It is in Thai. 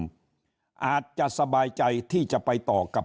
ที่กลุ่มการเมืองบางกลุ่มอาจจะสบายใจที่จะไปต่อกับ